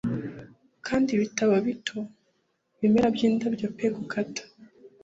Kandi ibitabo bito; ibimera by'indabyo pe gukata